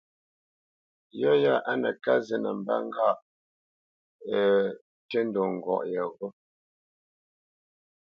Yɔ̂ ya á nə́ ká zí nə mbə́ ŋgâʼ ntʉ́ ndwə̌ ngwo yegho.